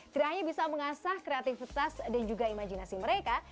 tidak hanya bisa mengasah kreativitas dan juga imajinasi mereka